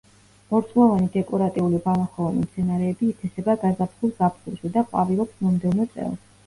ორწლოვანი დეკორატიული ბალახოვანი მცენარეები ითესება გაზაფხულ-ზაფხულში და ყვავილობს მომდევნო წელს.